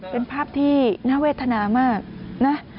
เป็นภาพที่น่าเวทนามากนะ